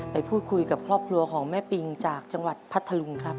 ไปพูดคุยกับครอบครัวของแม่ปิงจากจังหวัดพัทธลุงครับ